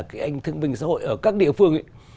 cái anh thương binh xã hội ở các địa phương ấy